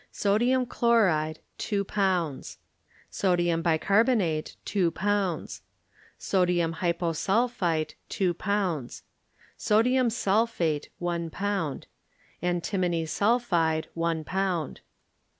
Sodium chloride 2 pounds. Sodium bicarbonate... 2 pounds. Sodium hjpo8ulpIiite..2 pounds. Sodium sulphate 1 pound. Antimony sulphide 1 pound.